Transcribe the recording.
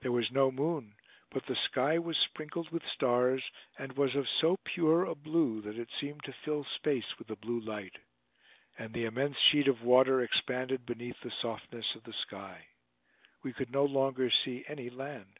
There was no moon, but the sky was sprinkled with stars, and was of so pure a blue that it seemed to fill space with a blue light. And the immense sheet of water expanded beneath the softness of the sky. We could no longer see any land.